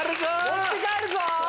持って帰るぞ！